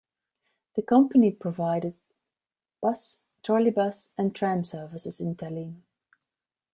The company provides bus, trolleybus, and tram services in Tallinn.